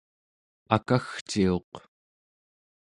akagciuq